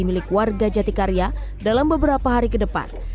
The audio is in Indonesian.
milik warga jatikarya dalam beberapa hari ke depan